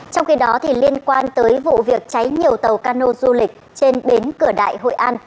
trong khi đó liên quan tới vụ việc cháy nhiều tàu cano du lịch trên bến cửa đại hội an